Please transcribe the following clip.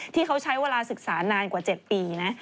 ที่เขาใช้เวลาศึกษานานกว่า๗ปีนะ